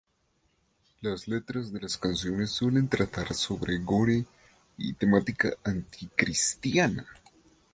Las letras de las canciones suelen tratar sobre gore y temática anticristiana.